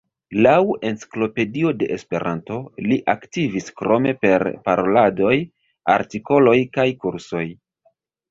Laŭ "Enciklopedio de Esperanto", li aktivis krome per paroladoj, artikoloj kaj kursoj.